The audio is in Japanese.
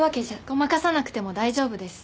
ごまかさなくても大丈夫です。